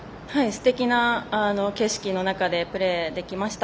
すてきな景色の中でプレーできました。